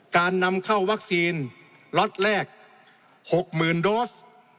การนำเข้าวัคซีนล็อตแรก๖๐๐๐โดส